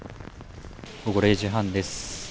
午後０時半です。